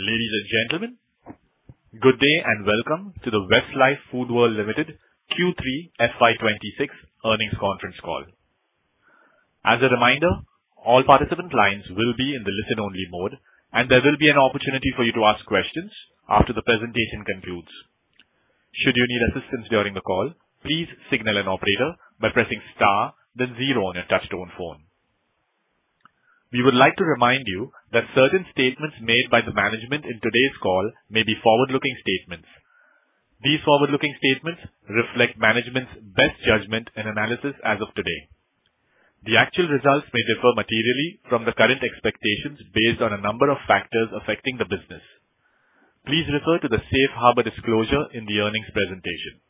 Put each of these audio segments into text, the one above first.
Ladies and gentlemen, good day, and welcome to the Westlife Foodworld Limited Q3 FY26 Earnings Conference Call. As a reminder, all participant lines will be in the listen-only mode, and there will be an opportunity for you to ask questions after the presentation concludes. Should you need assistance during the call, please signal an operator by pressing star, then zero on your touchtone phone. We would like to remind you that certain statements made by the management in today's call may be forward-looking statements. These forward-looking statements reflect management's best judgment and analysis as of today. The actual results may differ materially from the current expectations based on a number of factors affecting the business. Please refer to the safe harbor disclosure in the earnings presentation.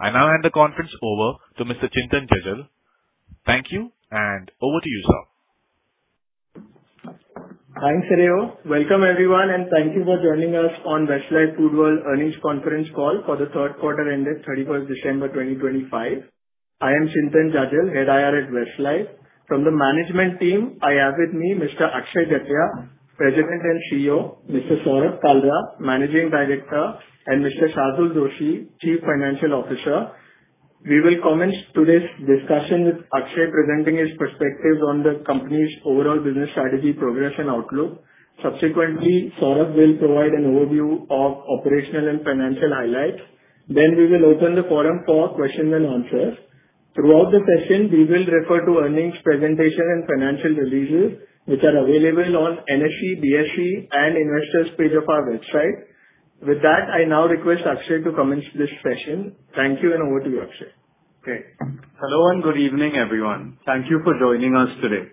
I now hand the conference over to Mr. Chintan Jajal. Thank you, and over to you, sir. Thanks, Saryu. Welcome, everyone, and thank you for joining us on Westlife Foodworld Earnings Conference Call for the third quarter ended 31st December 2025. I am Chintan Jajal, Head IR at Westlife. From the management team, I have with me Mr. Akshay Jatia, President and CEO, Mr. Saurabh Kalra, Managing Director, and Mr. Sharvil Doshi, Chief Financial Officer. We will commence today's discussion with Akshay presenting his perspectives on the company's overall business strategy, progress, and outlook. Subsequently, Saurabh will provide an overview of operational and financial highlights. Then we will open the forum for questions and answers. Throughout the session, we will refer to earnings presentation and financial releases, which are available on NSE, BSE, and Investors page of our website. With that, I now request Akshay to commence this session. Thank you, and over to you, Akshay. Great. Hello, and good evening, everyone. Thank you for joining us today.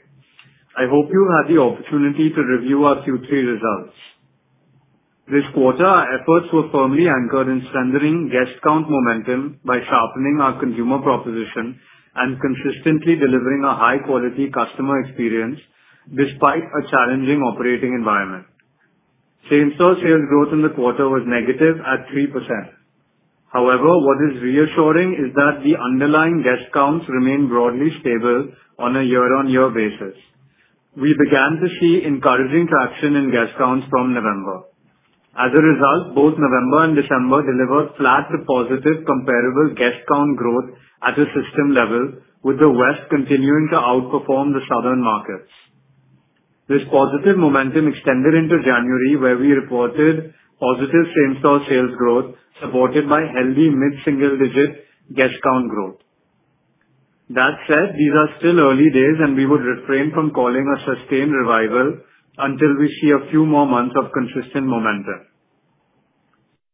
I hope you had the opportunity to review our Q3 results. This quarter, our efforts were firmly anchored in centering guest count momentum by sharpening our consumer proposition and consistently delivering a high-quality customer experience despite a challenging operating environment. Same-store sales growth in the quarter was negative at 3%. However, what is reassuring is that the underlying guest counts remain broadly stable on a year-on-year basis. We began to see encouraging traction in guest counts from November. As a result, both November and December delivered flat to positive comparable guest count growth at a system level, with the West continuing to outperform the southern markets. This positive momentum extended into January, where we reported positive same-store sales growth, supported by healthy mid-single-digit guest count growth. That said, these are still early days, and we would refrain from calling a sustained revival until we see a few more months of consistent momentum.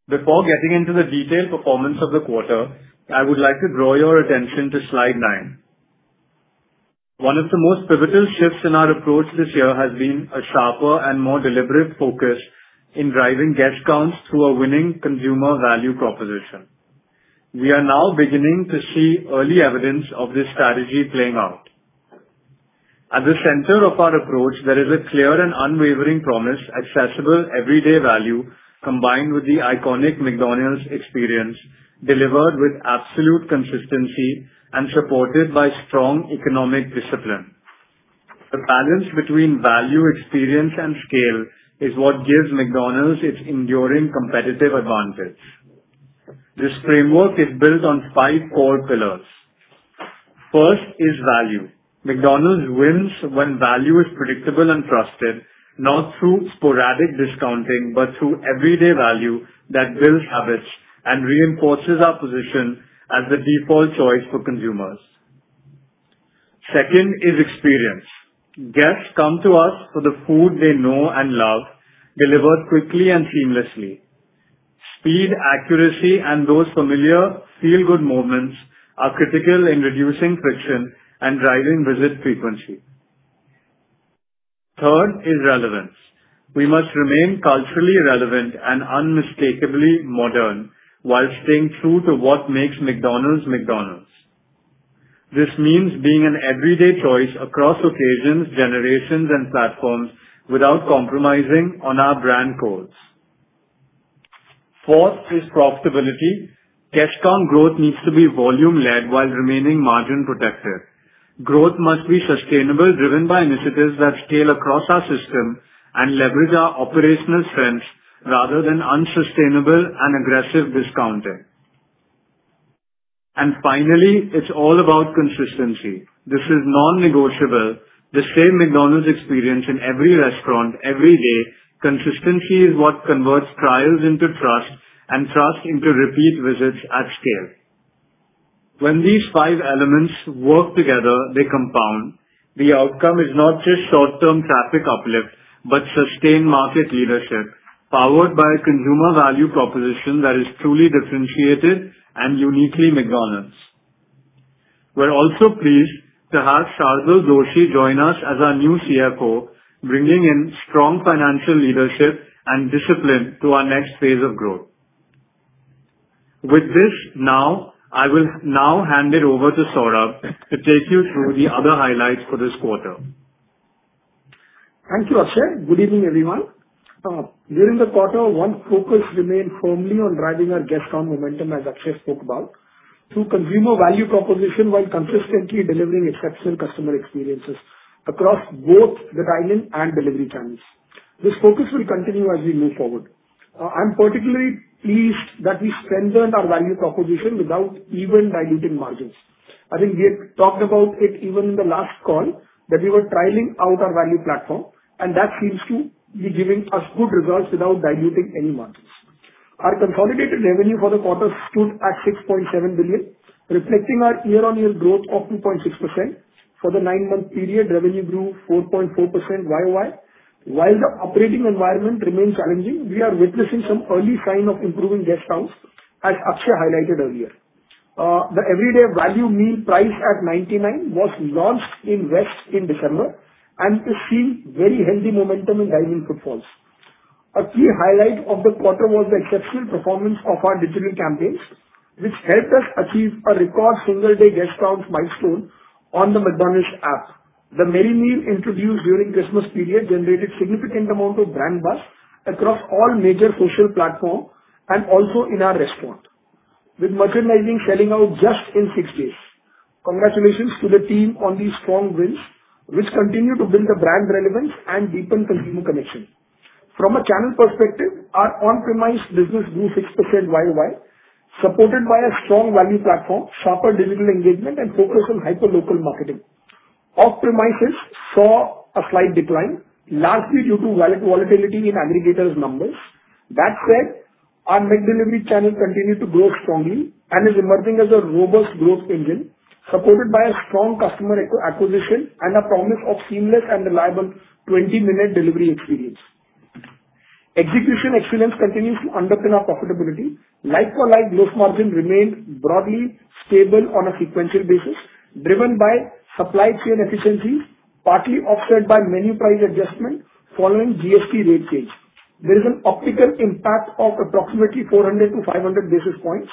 Before getting into the detailed performance of the quarter, I would like to draw your attention to slide nine. One of the most pivotal shifts in our approach this year has been a sharper and more deliberate focus in driving guest counts through a winning consumer value proposition. We are now beginning to see early evidence of this strategy playing out. At the center of our approach, there is a clear and unwavering promise, accessible, everyday value, combined with the iconic McDonald's experience, delivered with absolute consistency and supported by strong economic discipline. The balance between value, experience, and scale is what gives McDonald's its enduring competitive advantage. This framework is built on five core pillars. First is value. McDonald's wins when value is predictable and trusted, not through sporadic discounting, but through everyday value that builds habits and reinforces our position as the default choice for consumers. Second is experience. Guests come to us for the food they know and love, delivered quickly and seamlessly. Speed, accuracy, and those familiar feel-good moments are critical in reducing friction and driving visit frequency. Third is relevance. We must remain culturally relevant and unmistakably modern while staying true to what makes McDonald's, McDonald's. This means being an everyday choice across occasions, generations, and platforms without compromising on our brand cores. Fourth is profitability. Guest count growth needs to be volume-led while remaining margin protected. Growth must be sustainable, driven by initiatives that scale across our system and leverage our operational strengths rather than unsustainable and aggressive discounting. Finally, it's all about consistency. This is non-negotiable. The same McDonald's experience in every restaurant, every day. Consistency is what converts trials into trust and trust into repeat visits at scale. When these five elements work together, they compound. The outcome is not just short-term traffic uplift, but sustained market leadership, powered by a consumer value proposition that is truly differentiated and uniquely McDonald's. We're also pleased to have Sharvil Doshi join us as our new CFO, bringing in strong financial leadership and discipline to our next phase of growth. With this, now, I will now hand it over to Saurabh to take you through the other highlights for this quarter. Thank you, Akshay. Good evening, everyone. During the quarter, one focus remained firmly on driving our guest count momentum, as Akshay spoke about, through consumer value proposition, while consistently delivering exceptional customer experiences across both the dine-in and delivery channels. This focus will continue as we move forward. I'm particularly pleased that we strengthened our value proposition without even diluting margins. I think we had talked about it even in the last call, that we were trialing out our value platform, and that seems to be giving us good results without diluting any margins. Our consolidated revenue for the quarter stood at 6.7 billion, reflecting our year-on-year growth of 2.6%. For the nine-month period, revenue grew 4.4% YoY. While the operating environment remains challenging, we are witnessing some early sign of improving guest counts, as Akshay highlighted earlier. The Everyday Value Meal priced at 99 was launched in West in December, and has seen very healthy momentum in dine-in footfalls. A key highlight of the quarter was the exceptional performance of our digital campaigns, which helped us achieve a record single-day guest count milestone on the McDonald's App. The Merry Meal introduced during Christmas period, generated significant amount of brand buzz across all major social platform and also in our restaurant, with merchandising selling out just in 6 days. Congratulations to the team on these strong wins, which continue to build the brand relevance and deepen consumer connection. From a channel perspective, our on-premise business grew 6% YoY, supported by a strong value platform, sharper digital engagement, and focus on hyperlocal marketing. Off-premises saw a slight decline, largely due to volatility in aggregators' numbers. That said, our McDelivery channel continued to grow strongly and is emerging as a robust growth engine, supported by a strong customer acquisition and a promise of seamless and reliable 20-minute delivery experience. Execution excellence continues to underpin our profitability. Like-for-like gross margin remained broadly stable on a sequential basis, driven by supply chain efficiencies, partly offset by menu price adjustment following GST rate change. There is an optical impact of approximately 400-500 basis points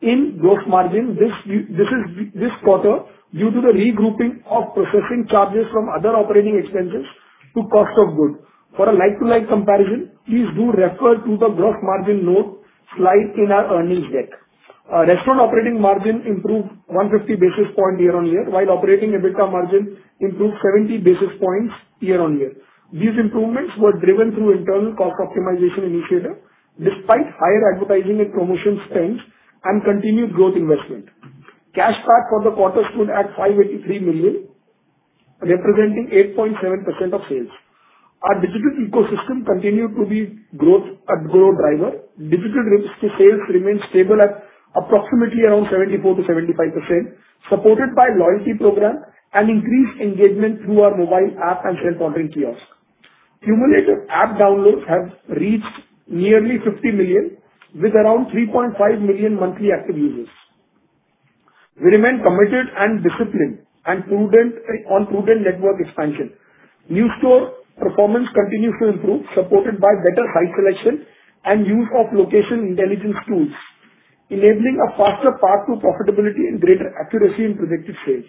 in gross margin this quarter, due to the regrouping of processing charges from other operating expenses to cost of goods. For a like-for-like comparison, please do refer to the gross margin note slide in our earnings deck. Restaurant operating margin improved 150 basis points year-on-year, while operating EBITDA margin improved 70 basis points year-on-year. These improvements were driven through internal cost optimization initiative, despite higher advertising and promotion spends and continued growth investment. Cash PAT for the quarter stood at 583 million, representing 8.7% of sales. Our digital ecosystem continued to be growth, a growth driver. Digital sales remained stable at approximately around 74%-75%, supported by loyalty program and increased engagement through our mobile app and self-ordering kiosk. Cumulative app downloads have reached nearly 50 million, with around 3.5 million monthly active users. We remain committed and disciplined and prudent on prudent network expansion. New store performance continues to improve, supported by better site selection and use of location intelligence tools, enabling a faster path to profitability and greater accuracy in predicted sales.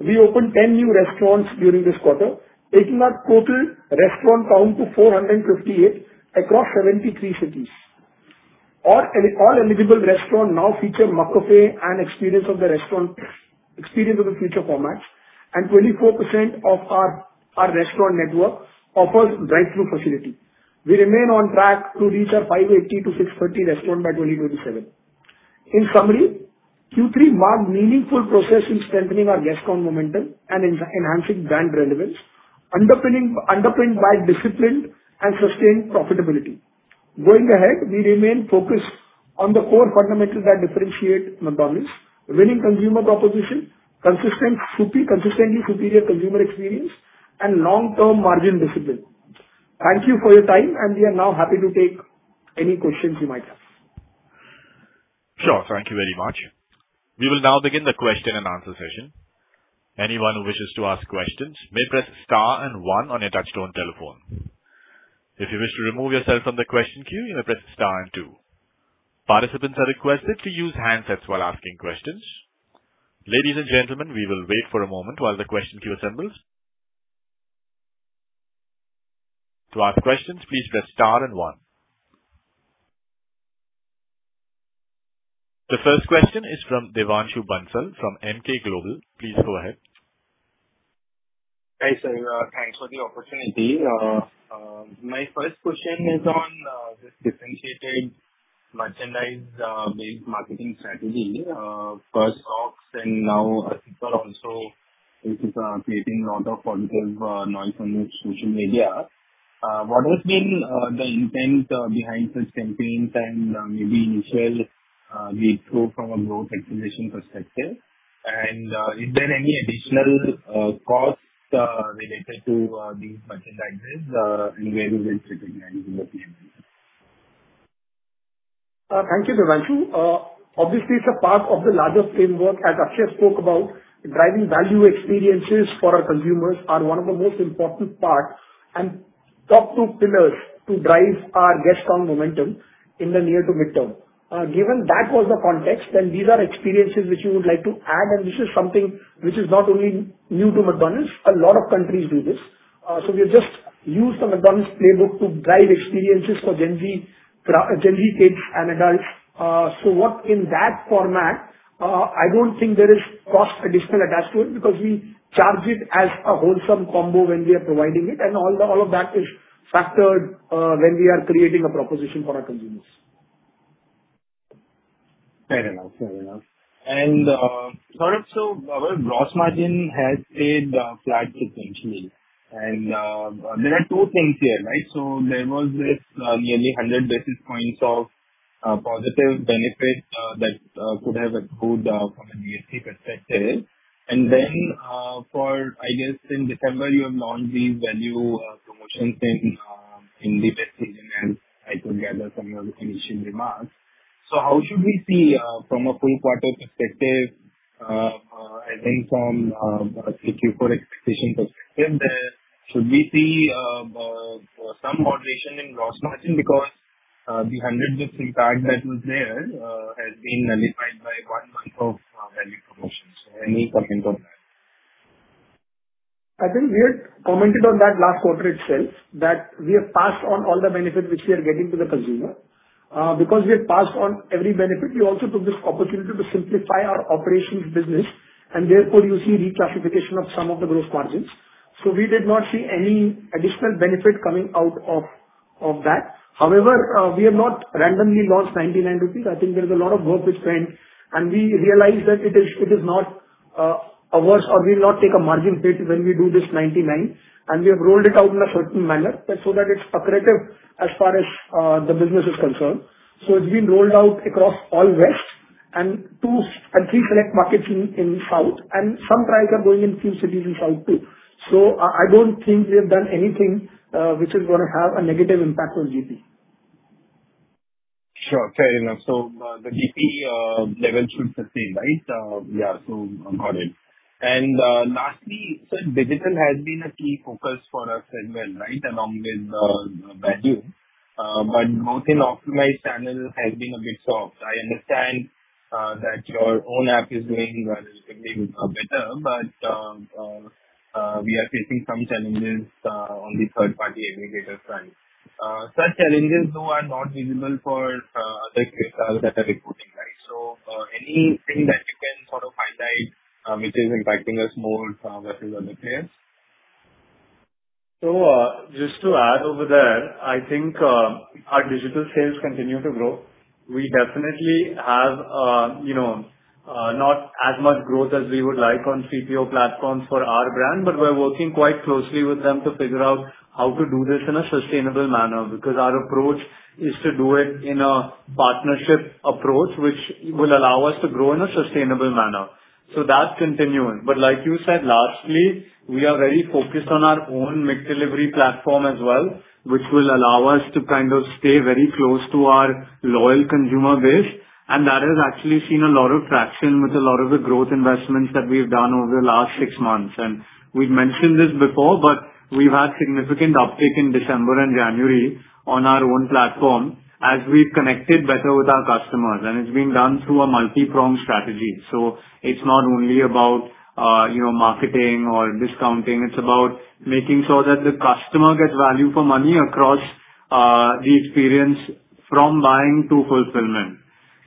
We opened 10 new restaurants during this quarter, taking our total restaurant count to 458 across 73 cities. All eligible restaurants now feature McCafé and Experience of the Future formats, and 24% of our restaurant network offers drive-through facility. We remain on track to reach our 580-630 restaurants by 2027. In summary, Q3 marked meaningful progress in strengthening our guest count momentum and enhancing brand relevance, underpinned by disciplined and sustained profitability. Going ahead, we remain focused on the core fundamentals that differentiate McDonald's: winning consumer proposition, consistently superior consumer experience, and long-term margin discipline. Thank you for your time, and we are now happy to take any questions you might have. Sure. Thank you very much. We will now begin the question-and-answer session. Anyone who wishes to ask questions may press star and one on your touchtone telephone. If you wish to remove yourself from the question queue, you may press star and two. Participants are requested to use handsets while asking questions. Ladies and gentlemen, we will wait for a moment while the question queue assembles. To ask questions, please press star and one. The first question is from Devanshu Bansal of Emkay Global Financial Services. Please go ahead. Hi, sir, thanks for the opportunity. My first question is on this differentiated merchandise-based marketing strategy. First socks and now people also, which is creating a lot of positive noise on social media. What has been the intent behind such campaigns and maybe initial lead through from a growth acceleration perspective? If there are any additional costs related to these merchandises and where you will keep adding in the P&L? Thank you, Devanshu. Obviously, it's a part of the larger framework, as Akshay spoke about, driving value experiences for our consumers are one of the most important parts and top two pillars to drive our guest count momentum in the near to mid-term. Given that was the context, then these are experiences which you would like to add, and this is something which is not only new to McDonald's, a lot of countries do this. So we have just used an adult's playbook to guide experiences for Gen Z kids and adults. So what in that format, I don't think there is cost additional attached to it, because we charge it as a wholesome combo when we are providing it, and all the, all of that is factored, when we are creating a proposition for our consumers. Fair enough. Fair enough. And, sort of, so our gross margin has stayed flat sequentially, and there are two things here, right? So there was this nearly 100 basis points of positive benefit that could have accrued from a GST perspective. And then, for, I guess, in December, you have launched these value promotions in in the busy season, and I could gather from your initial remarks. So how should we see from a full quarter perspective, I think from a Q4 expectation perspective, should we see some moderation in gross margin? Because the 100 basis impact that was there has been nullified by one month of value promotions. Any comment on that? I think we had commented on that last quarter itself, that we have passed on all the benefit which we are getting to the consumer. Because we had passed on every benefit, we also took this opportunity to simplify our operations business, and therefore you see reclassification of some of the gross margins. So we did not see any additional benefit coming out of that. However, we have not randomly launched 99 rupees. I think there is a lot of work which went, and we realized that it is not a worse or we will not take a margin hit when we do this 99, and we have rolled it out in a certain manner, so that it's accretive as far as the business is concerned. So it's been rolled out across all West and 2 and 3 select markets in South, and some trials are going in few cities in South too. So I don't think we have done anything, which is gonna have a negative impact on GP. Sure, fair enough. So, the GP level should sustain, right? Yeah, so got it. And, lastly, sir, digital has been a key focus for us as well, right? Along with value. But growth in optimized channels has been a bit soft. I understand that your own app is doing relatively better, but we are facing some challenges on the third party aggregator front. Such challenges though are not visible for other retailers that are reporting, right? So, anything that you can sort of highlight, which is impacting us more versus other players? So, just to add over there, I think, our digital sales continue to grow. We definitely have, you know, not as much growth as we would like on 3PO platforms for our brand, but we're working quite closely with them to figure out how to do this in a sustainable manner, because our approach is to do it in a partnership approach, which will allow us to grow in a sustainable manner. So that's continuing. But like you said, lastly, we are very focused on our own McDelivery platform as well, which will allow us to kind of stay very close to our loyal consumer base. And that has actually seen a lot of traction with a lot of the growth investments that we've done over the last six months. We've mentioned this before, but we've had significant uptick in December and January on our own platform, as we've connected better with our customers. It's being done through a multi-pronged strategy. So it's not only about, you know, marketing or discounting, it's about making sure that the customer gets value for money across the experience from buying to fulfillment.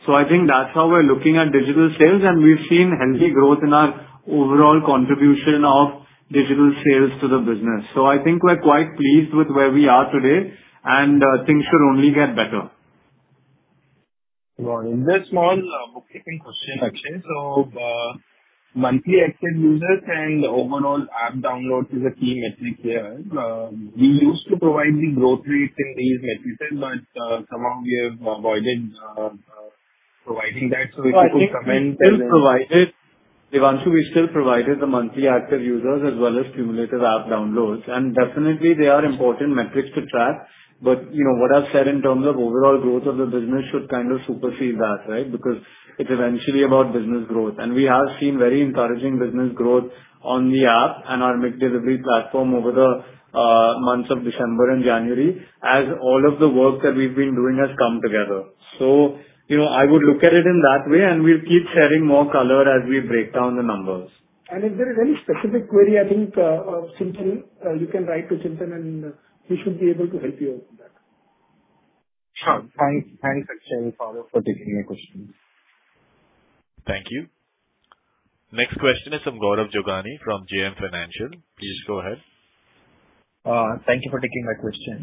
So I think that's how we're looking at digital sales, and we've seen healthy growth in our overall contribution of digital sales to the business. So I think we're quite pleased with where we are today, and things should only get better. Well, in this small bookkeeping question, Akshay. So, monthly active users and overall app downloads is a key metric here. You used to provide the growth rates in these metrics, but somehow we have avoided providing that. So if you could comment- We still provided. Devanshu, we still provided the monthly active users as well as cumulative app downloads, and definitely they are important metrics to track. But, you know, what I've said in terms of overall growth of the business should kind of supersede that, right? Because it's eventually about business growth. And we have seen very encouraging business growth on the app and our McDelivery platform over the months of December and January, as all of the work that we've been doing has come together. So you know, I would look at it in that way, and we'll keep sharing more color as we break down the numbers. If there is any specific query, I think you can write to Chintan, and he should be able to help you out with that. Sure. Thanks, Akshay, for taking my questions. Thank you. Next question is from Gaurav Jogani, from JM Financial. Please go ahead. Thank you for taking my question.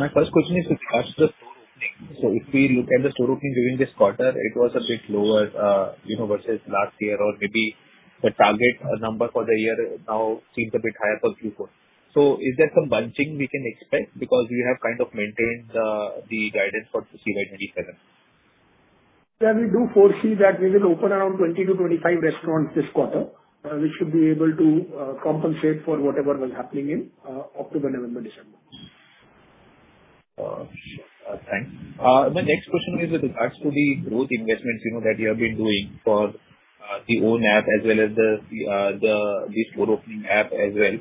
My first question is with regards to the store opening. So if we look at the store opening during this quarter, it was a bit lower, you know, versus last year or maybe the target number for the year now seems a bit higher for Q4. So is there some bunching we can expect? Because we have kind of maintained the guidance for 2027. Yeah, we do foresee that we will open around 20-25 restaurants this quarter. We should be able to compensate for whatever was happening in October, November, December. Sure. Thanks. My next question is with regards to the growth investments, you know, that you have been doing for the own app as well as the store opening app as well.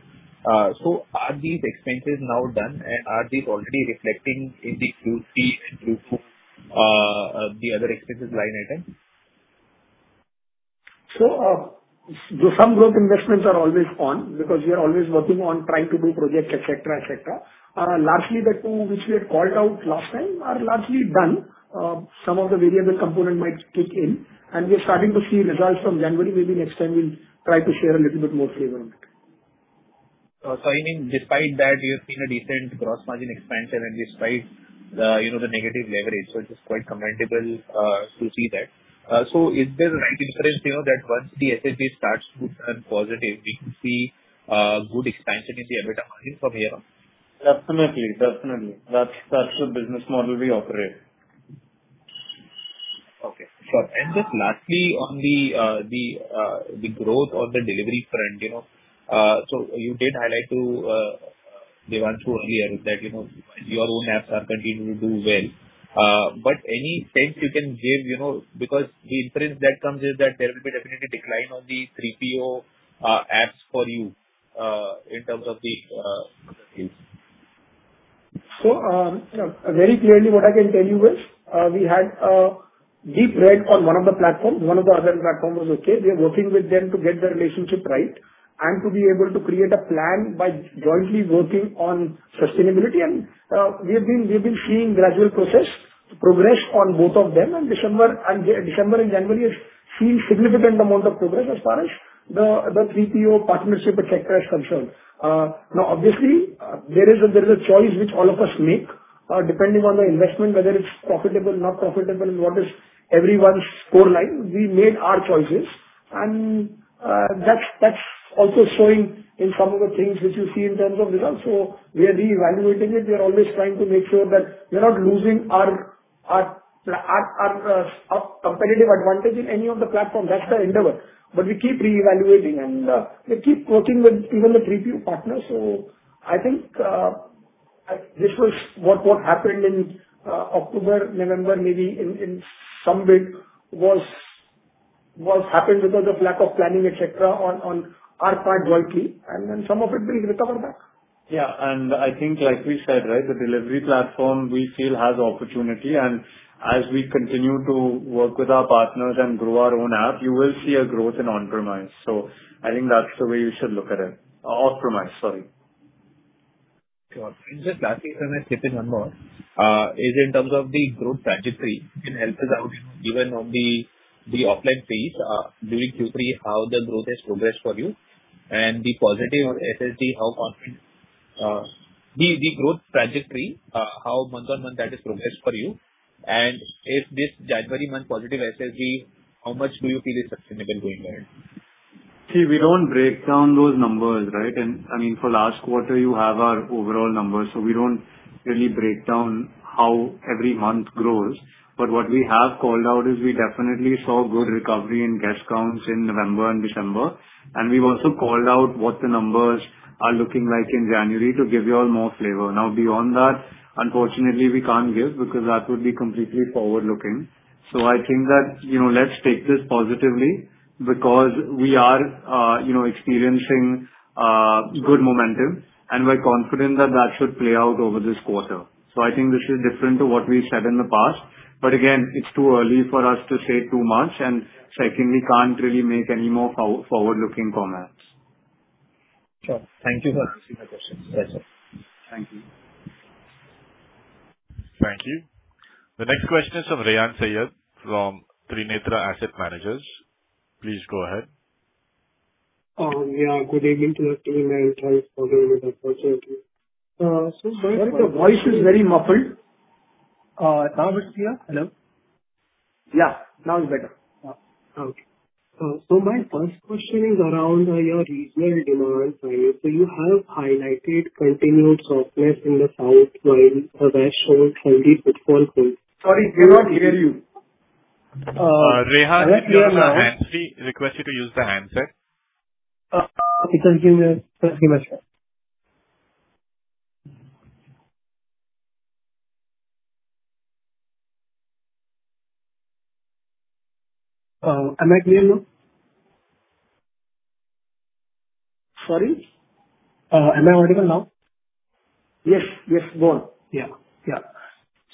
So are these expenses now done, and are these already reflecting in the Q3 and Q4, the other expenses line item? So, so some growth investments are always on, because we are always working on trying to do projects, et cetera, et cetera. Lastly, the two which we had called out last time are largely done. Some of the variable component might kick in, and we are starting to see results from January. Maybe next time we'll try to share a little bit more flavor on it. So I mean, despite that, you've seen a decent gross margin expansion, and despite the, you know, the negative leverage, so it's quite commendable to see that. So is there an inference, you know, that once the SSG starts to turn positive, we can see good expansion in the EBITDA margin from here on? Definitely, definitely. That's, that's the business model we operate. Okay, sure. And just lastly, on the growth of the delivery front, you know, so you did highlight to Devanshu earlier that, you know, your own apps are continuing to do well. But any sense you can give, you know, because the inference that comes is that there will be definitely decline on the 3PO apps for you in terms of the use. So, you know, very clearly what I can tell you is, we had deep red on one of the platforms, one of the other platform was okay. We are working with them to get the relationship right, and to be able to create a plan by jointly working on sustainability. And, we have been, we've been seeing gradual process, progress on both of them, and December, and December and January has seen significant amount of progress as far as the 3PO partnership et cetera is concerned. Now, obviously, there is a choice which all of us make, depending on the investment, whether it's profitable, not profitable, and what is everyone's score line. We made our choices, and, that's, that's also showing in some of the things which you see in terms of results. So we are re-evaluating it. We are always trying to make sure that we are not losing our competitive advantage in any of the platform. That's the endeavor. But we keep re-evaluating and we keep working with even the 3PO partners. So I think this was what happened in October, November, maybe in some bit was what happened because of lack of planning, et cetera, on our part jointly, and then some of it will recover back. Yeah, and I think, like we said, right, the delivery platform we feel has opportunity, and as we continue to work with our partners and grow our own app, you will see a growth in on-premise. So I think that's the way you should look at it. Off-premise, sorry. Sure. And just lastly, can I chip in one more? In terms of the growth trajectory, can you help us out, given the offline phase during Q3, how the growth has progressed for you? And the positive SSG, how confident. The growth trajectory, how month-on-month that has progressed for you, and if this January month positive SSG, how much do you feel is sustainable going ahead? See, we don't break down those numbers, right? And I mean, for last quarter, you have our overall numbers, so we don't really break down how every month grows. But what we have called out is we definitely saw good recovery in guest counts in November and December. And we've also called out what the numbers are looking like in January to give you all more flavor. Now, beyond that, unfortunately, we can't give, because that would be completely forward-looking. So I think that, you know, let's take this positively, because we are, you know, experiencing good momentum, and we're confident that that should play out over this quarter. So I think this is different to what we said in the past. But again, it's too early for us to say too much, and secondly, we can't really make any more forward-looking comments. Sure. Thank you for answering my questions. That's it. Thank you. Thank you. The next question is from Rehan Syed from Trinetra Asset Management. Please go ahead. Yeah, good evening to you, and thanks for the opportunity. So my- Sorry, the voice is very muffled. Uh, hello? Yeah, now it's better. Yeah. Okay. So my first question is around your regional demand. So you have highlighted continued softness in the South, while the West showed healthy footfall growth. Sorry, we cannot hear you. Rehan, we are on a hands-free. Request you to use the handset. It has been pretty much better. Am I clear now? Sorry? Am I audible now? Yes, yes, go on. Yeah, yeah.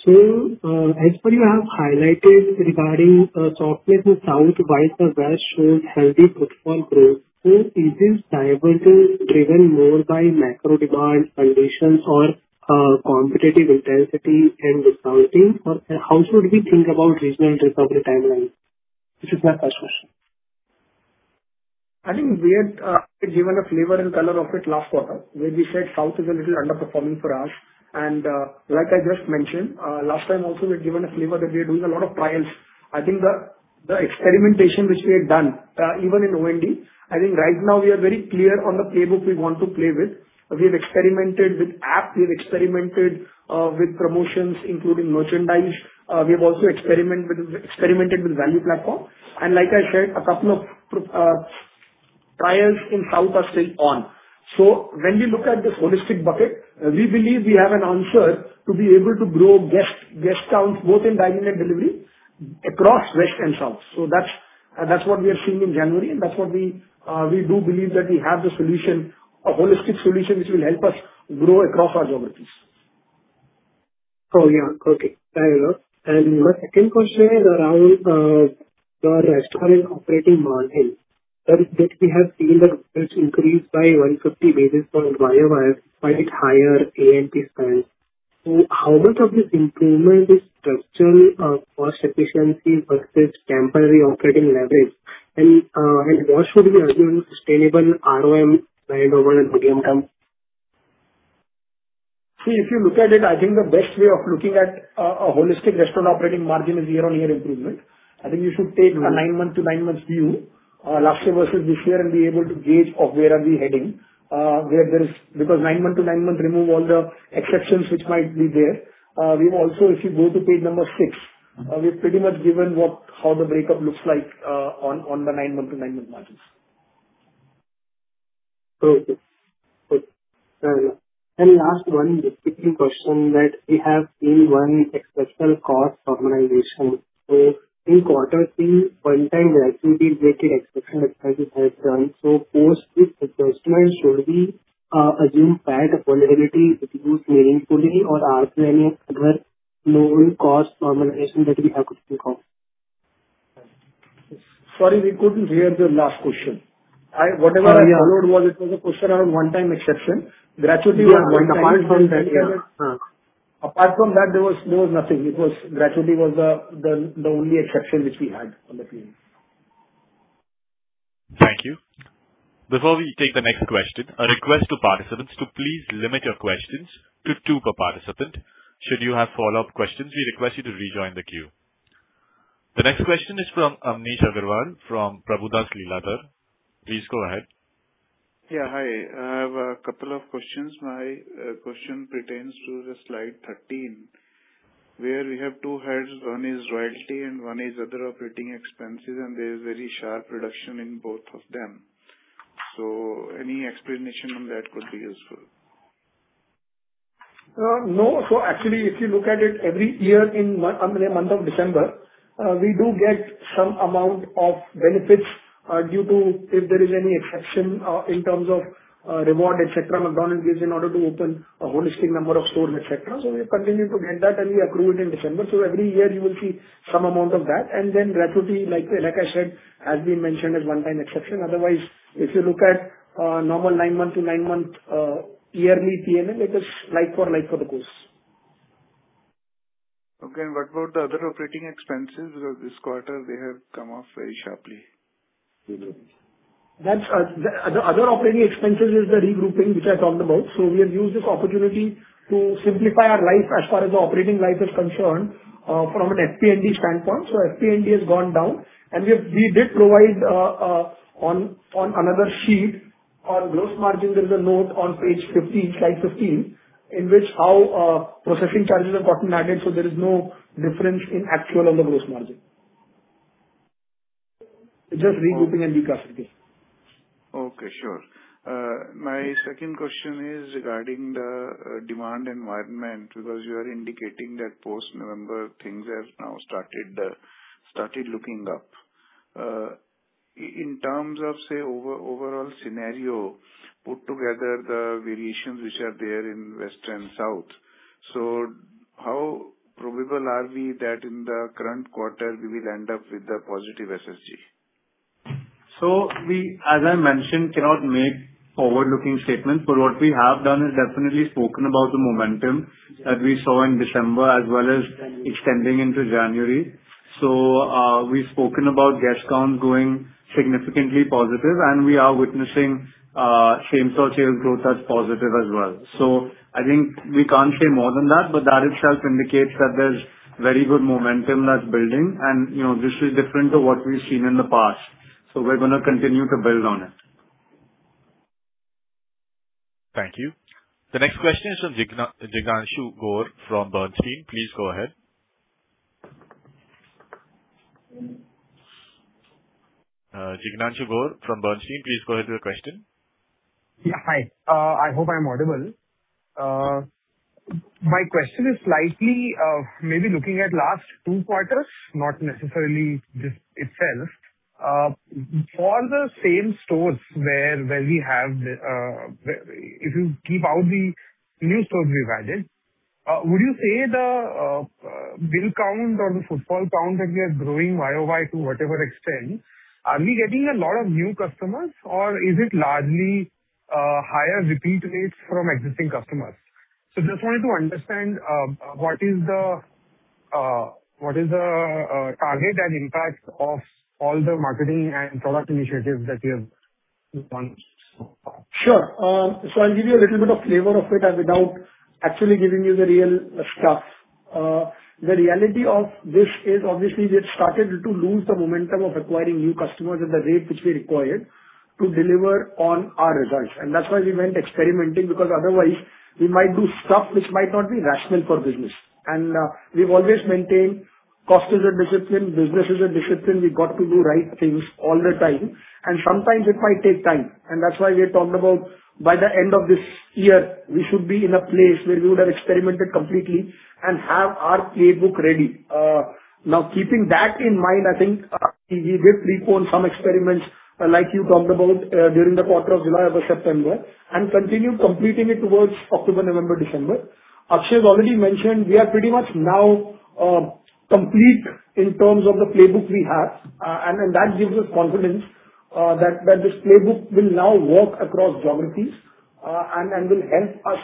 So, as per you have highlighted regarding, softness in South, while the West showed healthy footfall growth, so is this divergence driven more by macro demand conditions or, competitive intensity and discounting? Or how should we think about regional recovery timeline? This is my first question. I think we had given a flavor and color of it last quarter, where we said South is a little underperforming for us. Like I just mentioned, last time also we had given a flavor that we are doing a lot of trials. I think the experimentation which we had done, even in OND, I think right now we are very clear on the playbook we want to play with. We've experimented with app, we've experimented with promotions, including merchandise. We have also experimented with value platform, and like I said, a couple of trials in South are still on. So when we look at this holistic bucket, we believe we have an answer to be able to grow guest counts both in dine-in and delivery across West and South. So that's what we are seeing in January, and that's what we do believe that we have the solution, a holistic solution which will help us grow across our geographies. Oh, yeah. Okay, I know. And my second question is around the restaurant operating margin, that we have seen that it's increased by 150 basis points year-over-year, quite higher A&P spend. So how much of this improvement is structural, cost efficiency versus temporary operating leverage? And what should we assume sustainable ROM by normal and medium term? See, if you look at it, I think the best way of looking at a holistic restaurant operating margin is year-on-year improvement. I think you should take a nine-month to nine-months view, last year versus this year, and be able to gauge of where are we heading. Because nine-month to nine-month remove all the exceptions which might be there. We've also, if you go to page number 6, we've pretty much given what how the breakup looks like, on, on the nine-month to nine-month margins. Okay. Good. Very well. Last one, just quick question that we have seen one exceptional cost normalization. So in quarter three, one-time gratuity is exceptional expenses have come. So post this adjustment, should we assume that profitability improve meaningfully or are there any other lower cost normalization that we have to look out for? Sorry, we couldn't hear the last question. Oh, yeah. Whatever I followed was, it was a question around one-time exception. Gratuity was- Yeah, gratuity, yeah. Apart from that, there was nothing. Gratuity was the only exception which we had on the P&L. Thank you. Before we take the next question, a request to participants to please limit your questions to two per participant. Should you have follow-up questions, we request you to rejoin the queue. The next question is from Amnish Aggarwal from Prabhudas Lilladher. Please go ahead. Yeah, hi. I have a couple of questions. My question pertains to the slide 13, where we have two heads, one is royalty and one is other operating expenses, and there is very sharp reduction in both of them. So any explanation on that could be useful. No. So actually, if you look at it, every year in—I mean, the month of December, we do get some amount of benefits, due to if there is any exception, in terms of, reward, et cetera, McDonald's gives in order to open a holistic number of stores, et cetera. So we continue to get that, and we accrue it in December. So every year you will see some amount of that, and then gratuity, like, like I said, has been mentioned as one-time exception. Otherwise, if you look at, normal nine-month to nine-month, yearly PNL, it is like for like for the course. Okay. And what about the other operating expenses? Because this quarter they have come off very sharply. That's the other operating expenses is the regrouping, which I talked about. So we have used this opportunity to simplify our life as far as the operating life is concerned, from an FP&D standpoint. So FP&D has gone down, and we have. We did provide, on, on another sheet. On gross margin, there is a note on page 15, slide 15, in which how, processing charges have gotten added, so there is no difference in actual and the gross margin. It's just regrouping and reclassifying. Okay, sure. My second question is regarding the demand environment, because you are indicating that post-November things have now started looking up. In terms of, say, overall scenario, put together the variations which are there in West and South. So how probable are we that in the current quarter we will end up with a positive SSG? So we, as I mentioned, cannot make forward-looking statements, but what we have done is definitely spoken about the momentum that we saw in December, as well as extending into January. So, we've spoken about guest count going significantly positive, and we are witnessing, same-store sales growth as positive as well. So I think we can't say more than that, but that itself indicates that there's very good momentum that's building and, you know, this is different to what we've seen in the past. So we're gonna continue to build on it. Thank you. The next question is from Jignanshu Gor from Bernstein. Please go ahead. Jignanshu Gor from Bernstein, please go ahead with your question. Yeah, hi. I hope I'm audible. My question is slightly maybe looking at last two quarters, not necessarily this itself. For the same stores where we have, where. If you keep out the new stores we've added, would you say the bill count or the footfall count that we are growing YOY to whatever extent, are we getting a lot of new customers or is it largely higher repeat rates from existing customers? So just wanted to understand what is the target and impact of all the marketing and product initiatives that you have launched so far? Sure. So I'll give you a little bit of flavor of it without actually giving you the real stuff. The reality of this is obviously we had started to lose the momentum of acquiring new customers at the rate which we required to deliver on our results. And that's why we went experimenting, because otherwise we might do stuff which might not be rational for business. And, we've always maintained cost is a discipline, business is a discipline. We've got to do right things all the time, and sometimes it might take time. And that's why we have talked about by the end of this year, we should be in a place where we would have experimented completely and have our playbook ready. Now, keeping that in mind, I think, we did pre-pone some experiments, like you talked about, during the quarter of July, August, September, and continued completing it towards October, November, December. Akshay has already mentioned we are pretty much now complete in terms of the playbook we have, and that gives us confidence, that this playbook will now work across geographies, and will help us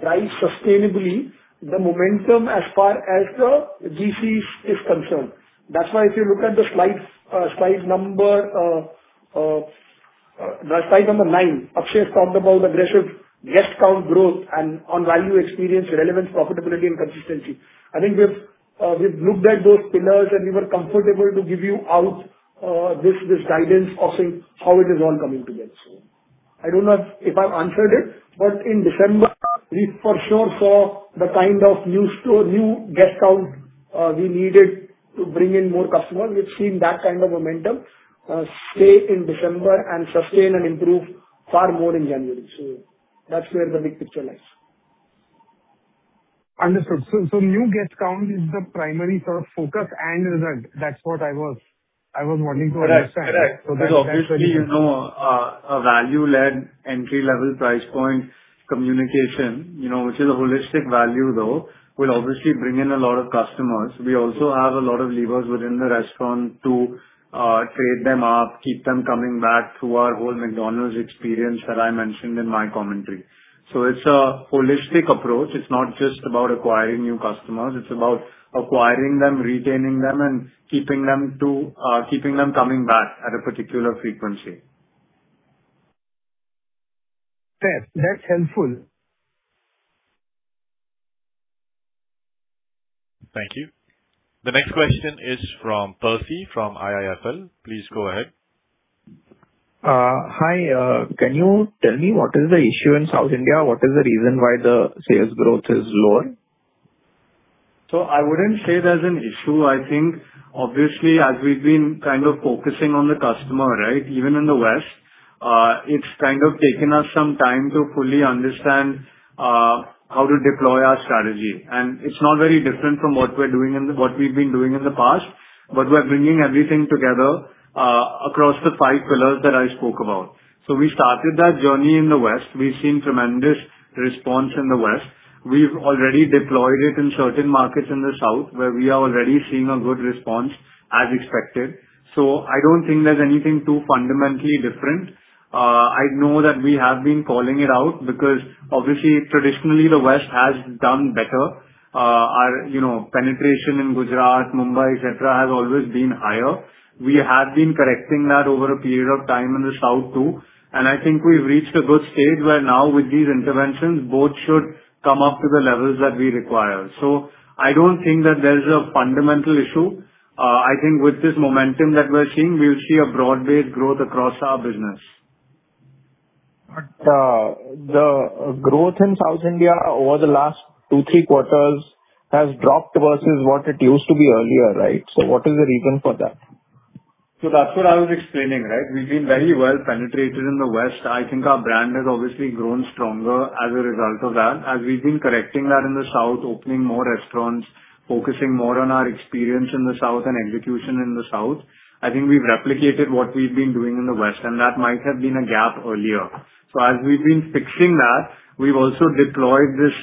drive sustainably the momentum as far as the GCs is concerned. That's why if you look at the slide, slide number nine, Akshay has talked about aggressive guest count growth and on value experience, relevance, profitability and consistency. I think we've looked at those pillars, and we were comfortable to give you out this guidance of saying how it is all coming together. I don't know if I've answered it, but in December, we for sure saw the kind of new store, new guest count we needed to bring in more customers. We've seen that kind of momentum stay in December and sustain and improve far more in January. That's where the big picture lies. Understood. So, new guest count is the primary sort of focus and result. That's what I was wanting to understand. Correct. Correct. So obviously, you know, a value-led entry level price point communication, you know, which is a holistic value though, will obviously bring in a lot of customers. We also have a lot of levers within the restaurant to, trade them up, keep them coming back through our whole McDonald's experience that I mentioned in my commentary. So it's a holistic approach. It's not just about acquiring new customers, it's about acquiring them, retaining them, and keeping them to, keeping them coming back at a particular frequency. Yes, that's helpful. Thank you. The next question is from Percy, from IIFL. Please go ahead. Hi. Can you tell me what is the issue in South India? What is the reason why the sales growth is lower? So I wouldn't say there's an issue. I think obviously as we've been kind of focusing on the customer, right? Even in the West, it's kind of taken us some time to fully understand, how to deploy our strategy. And it's not very different from what we're doing in the. what we've been doing in the past, but we're bringing everything together, across the five pillars that I spoke about. So we started that journey in the West. We've seen tremendous response in the West. We've already deployed it in certain markets in the South, where we are already seeing a good response, as expected. So I don't think there's anything too fundamentally different. I know that we have been calling it out, because obviously, traditionally, the West has done better. Our, you know, penetration in Gujarat, Mumbai, et cetera, has always been higher. We have been correcting that over a period of time in the South, too, and I think we've reached a good stage where now with these interventions, both should come up to the levels that we require. So I don't think that there's a fundamental issue. I think with this momentum that we're seeing, we'll see a broad-based growth across our business. The growth in South India over the last 2-3 quarters has dropped versus what it used to be earlier, right? What is the reason for that? So that's what I was explaining, right? We've been very well penetrated in the West. I think our brand has obviously grown stronger as a result of that, as we've been correcting that in the South, opening more restaurants, focusing more on our experience in the South and execution in the South. I think we've replicated what we've been doing in the West, and that might have been a gap earlier. So as we've been fixing that, we've also deployed this,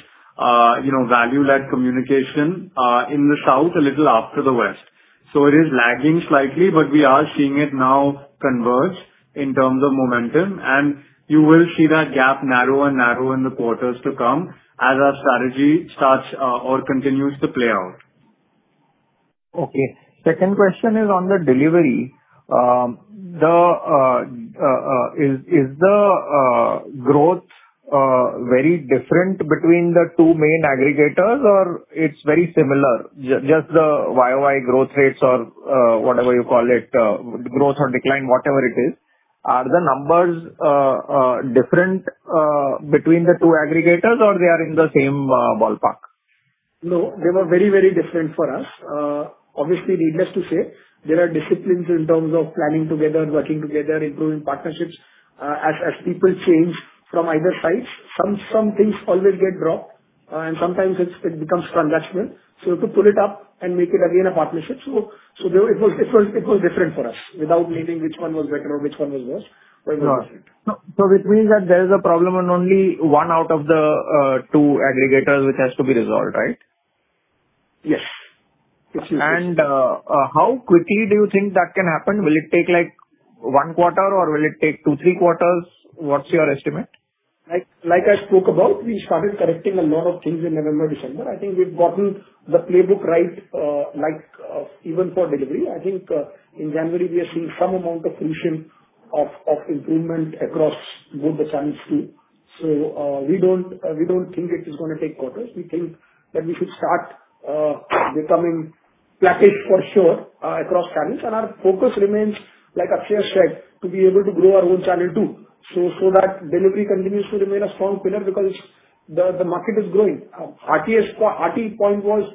you know, value-led communication, in the South a little after the West. So it is lagging slightly, but we are seeing it now converge in terms of momentum, and you will see that gap narrow and narrow in the quarters to come as our strategy starts, or continues to play out. Okay. Second question is on the delivery. Is the growth very different between the two main aggregators or it's very similar? Just the YoY growth rates or whatever you call it, growth or decline, whatever it is, are the numbers different between the two aggregators or they are in the same ballpark? No, they were very, very different for us. Obviously, needless to say, there are disciplines in terms of planning together, working together, improving partnerships, as people change from either sides, some things always get dropped, and sometimes it becomes transactional. So to pull it up and make it again a partnership, so it was different for us, without naming which one was better or which one was worse. Got it. So which means that there is a problem on only one out of the two aggregators, which has to be resolved, right? Yes. How quickly do you think that can happen? Will it take, like, one quarter or will it take two, three quarters? What's your estimate? Like, like I spoke about, we started correcting a lot of things in November, December. I think we've gotten the playbook right, like, even for delivery. I think, in January, we are seeing some amount of fruition of, of improvement across both the channels too. So, we don't, we don't think it is gonna take quarters. We think that we should start, becoming flattish for sure, across channels. And our focus remains, like Akshay said, to be able to grow our own channel too, so, so that delivery continues to remain a strong pillar because the, the market is growing. RTE point was,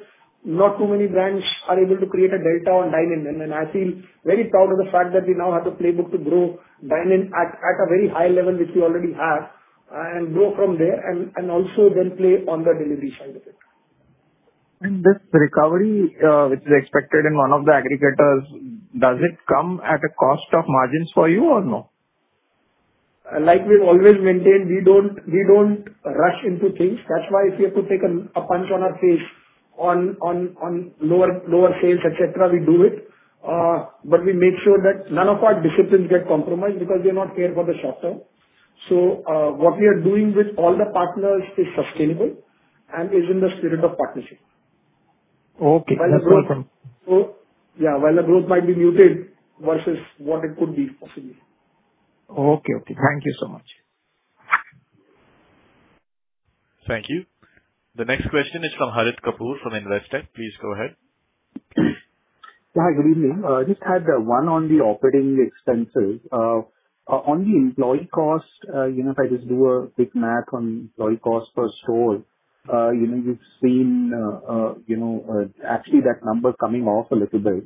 not too many brands are able to create a delta on dine-in. And I feel very proud of the fact that we now have the playbook to grow dine-in at a very high level, which we already have and grow from there, and also then play on the delivery side of it. This recovery, which is expected in one of the aggregators, does it come at a cost of margins for you or no? Like we've always maintained, we don't, we don't rush into things. That's why if we have to take a punch on our face on lower sales, et cetera, we do it. But we make sure that none of our disciplines get compromised because we are not here for the short term. So, what we are doing with all the partners is sustainable and is in the spirit of partnership. Okay, that's welcome. So yeah, while the growth might be muted versus what it could be possibly. Okay, okay. Thank you so much. Thank you. The next question is from Harit Kapoor on the Investec. Please go ahead. Yeah, good evening. I just had one on the operating expenses. On the employee cost, you know, if I just do a quick math on employee cost per store, you know, you've seen, you know, actually that number coming off a little bit.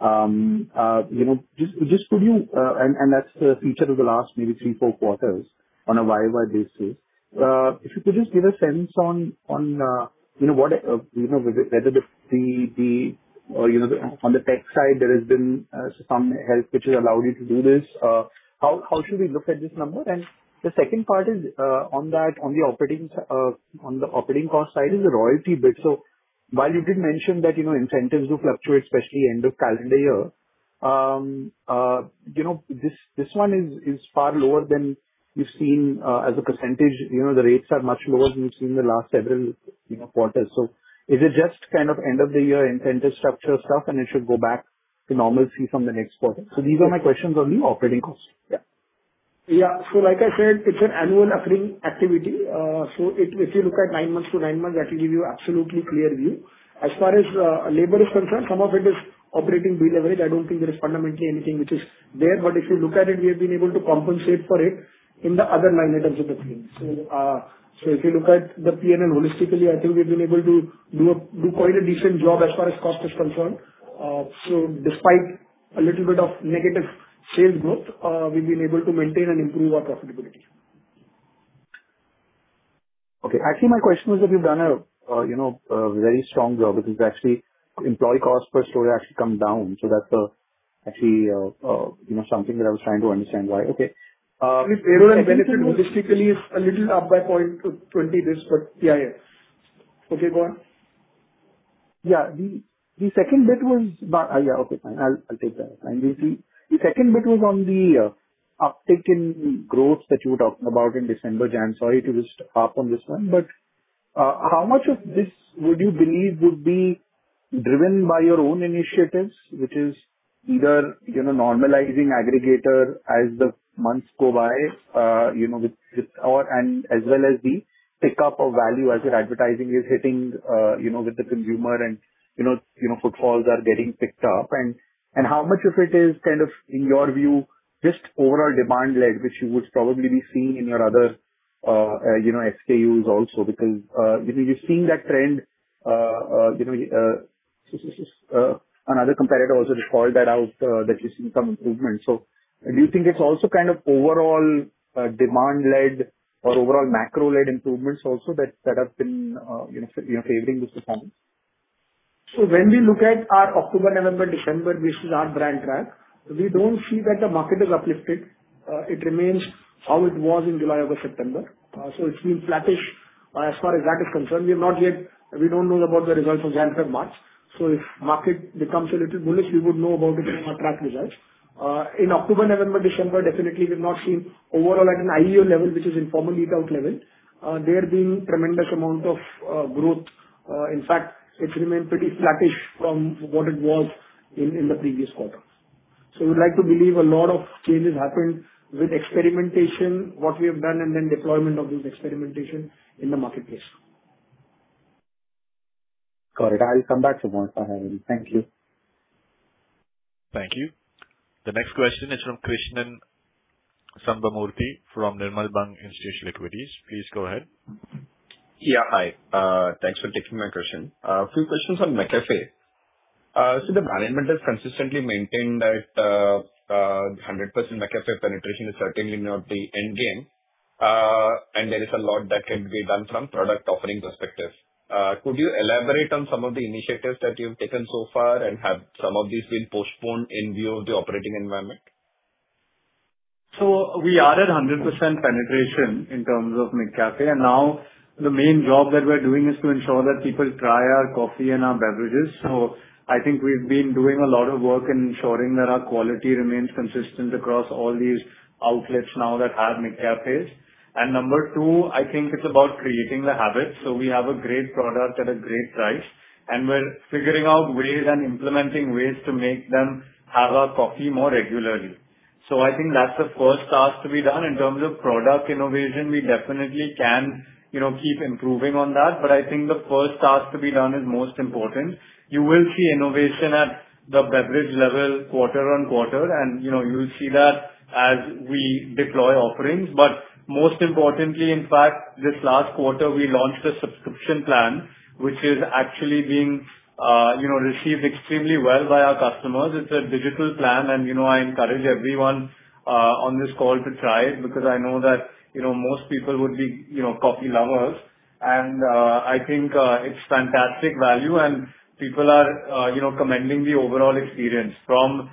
You know, just could you. And that's the feature of the last maybe 3-4 quarters on a year-over-year basis. If you could just give a sense on, you know, what, you know, whether the, the, or, you know, on the tech side, there has been some help which has allowed you to do this. How should we look at this number? And the second part is, on that, on the operating, on the operating cost side is the royalty bit. So while you did mention that, you know, incentives do fluctuate, especially end of calendar year, you know, this one is far lower than we've seen, as a percentage. You know, the rates are much lower than we've seen in the last several, you know, quarters. So is it just kind of end of the year incentive structure stuff, and it should go back to normalcy from the next quarter? So these are my questions on the operating costs. Yeah. Yeah. So like I said, it's an annual occurring activity. So if you look at nine months to nine months, that will give you absolutely clear view. As far as labor is concerned, some of it is operating leverage. I don't think there is fundamentally anything which is there, but if you look at it, we have been able to compensate for it in the other parameters of the P&L. So if you look at the P&L holistically, I think we've been able to do quite a decent job as far as cost is concerned. So despite a little bit of negative sales growth, we've been able to maintain and improve our profitability. Okay. Actually, my question was that you've done a, you know, a very strong job, which is actually employee cost per store has actually come down. So that's, actually, you know, something that I was trying to understand why. Okay, Benefit holistically is a little up by 0.20 this, but yeah, yeah. Okay, go on. Yeah, the second bit was. Yeah, okay, fine. I'll take that. And we see the second bit was on the uptick in growth that you were talking about in December. Jan, sorry to just harp on this one, but how much of this would you believe would be driven by your own initiatives, which is either, you know, normalizing aggregator as the months go by, you know, with or and as well as the pickup of value as your advertising is hitting, you know, with the consumer and footfalls are getting picked up? And how much of it is kind of, in your view, just overall demand leg, which you would probably be seeing in your other, you know, SKUs also, because, you know, you're seeing that trend, you know, another competitor also called that out, that you've seen some improvement. So do you think it's also kind of overall, demand led or overall macro led improvements also that, that have been, you know, favoring the company? So when we look at our October, November, December, which is our brand track, we don't see that the market is uplifted. It remains how it was in July, August, September. So it's been flattish as far as that is concerned. We have not yet. We don't know about the results of January, March. So if market becomes a little bullish, we would know about it in our track results. In October, November, December, definitely we've not seen overall at an IEO level, which is informal eating out level, there being tremendous amount of growth. In fact, it's remained pretty flattish from what it was in the previous quarters. So we'd like to believe a lot of changes happened with experimentation, what we have done, and then deployment of this experimentation in the marketplace. Got it. I'll come back some more if I have any. Thank you. Thank you. The next question is from Krishnan Sambamoorthy, from Nirmal Bang Institutional Equities. Please go ahead. Yeah, hi. Thanks for taking my question. A few questions on McCafé. So the management has consistently maintained that, 100% McCafé penetration is certainly not the end game, and there is a lot that can be done from product offering perspective. Could you elaborate on some of the initiatives that you've taken so far, and have some of these been postponed in view of the operating environment? So we are at 100% penetration in terms of McCafé, and now the main job that we're doing is to ensure that people try our coffee and our beverages. So I think we've been doing a lot of work in ensuring that our quality remains consistent across all these outlets now that have McCafés. And number two, I think it's about creating the habit. So we have a great product at a great price, and we're figuring out ways and implementing ways to make them have our coffee more regularly. So I think that's the first task to be done. In terms of product innovation, we definitely can, you know, keep improving on that, but I think the first task to be done is most important. You will see innovation at the beverage level, quarter on quarter, and, you know, you'll see that as we deploy offerings. But most importantly, in fact, this last quarter, we launched a subscription plan, which is actually being, you know, received extremely well by our customers. It's a digital plan, and, you know, I encourage everyone on this call to try it, because I know that, you know, most people would be, you know, coffee lovers. And I think it's fantastic value, and people are, you know, commending the overall experience from